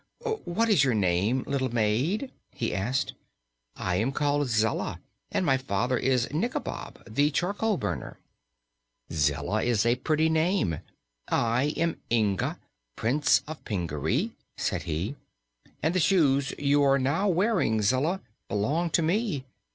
"What is your name, little maid?" he asked. "I am called Zella, and my father is Nikobob, the charcoal burner." "Zella is a pretty name. I am Inga, Prince of Pingaree," said he, "and the shoes you are now wearing, Zella, belong to me.